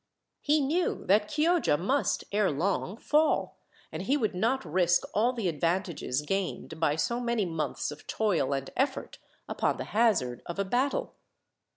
He knew that Chioggia must, ere long, fall, and he would not risk all the advantages gained, by so many months of toil and effort, upon the hazard of a battle.